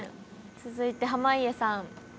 続いて濱家さん。